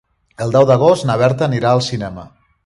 El deu d'agost na Berta anirà al cinema.